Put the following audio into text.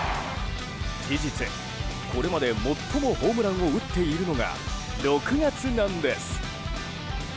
事実、これまで最もホームランを打っているのが６月なんです。